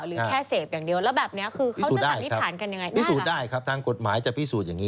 ว่าอีกคนนึง